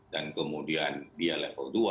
dan kemudian dia level dua